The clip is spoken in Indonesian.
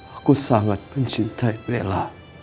aku sangat mencintai bella